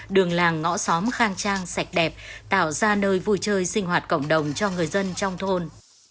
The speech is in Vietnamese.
đường làng ngõ xóm khang trang sạch đẹp tạo ra nơi vui chơi sinh hoạt cộng đồng cho người dân trong thôn